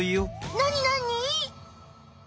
なになに？